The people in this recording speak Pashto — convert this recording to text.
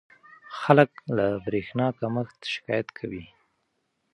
خلک له برېښنا کمښت شکایت کوي.